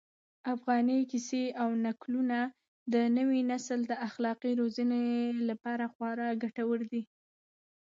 افغاني کيسې او نکلونه د نوي نسل د اخلاقي روزنې لپاره خورا ګټور دي.